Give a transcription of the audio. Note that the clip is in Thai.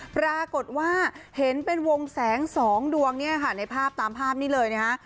ปรากฏว่าเห็นเป็นวงแสง๒ดวงในภาพตามภาพนี้เลยนะคะ